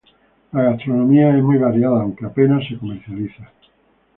La gastronomía es muy variada, aunque apenas se comercializa.